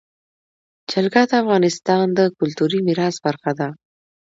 جلګه د افغانستان د کلتوري میراث برخه ده.